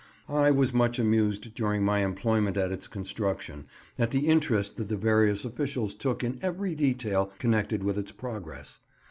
I was much amused during my employment at its construction at the interest that the various officials took in every detail connected with its progress.